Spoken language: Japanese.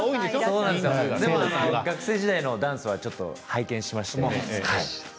学生時代のダンスはちょっと拝見しまして。